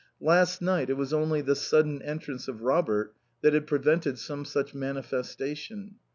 Last time it was only the sudden entrance of Robert that had prevented some such manifestation.